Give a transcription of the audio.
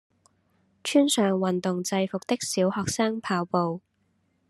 穿上運動制服的小學生跑步